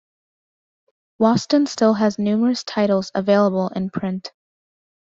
Watson still has numerous titles available in print.